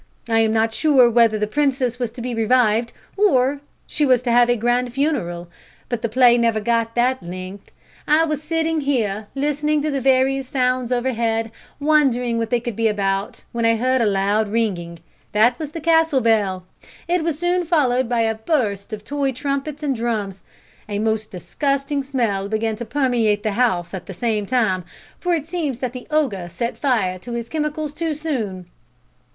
I am not sure whether the princess was to be revived, or she was to have a grand funeral, but the play never got that length. I was sitting here, listening to the various sounds overhead, wondering what they could be about, when I heard a loud ringing that was the castle bell. It was soon followed by a burst of toy trumpets and drums. A most disgusting smell began to permeate the house at the same time, for it seems that the ogre set fire to his chemicals too soon.